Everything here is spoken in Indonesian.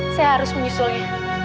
saya harus menyusulnya